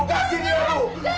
kasih dia bu